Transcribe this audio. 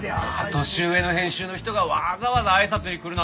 年上の編集の人がわざわざあいさつに来るなんて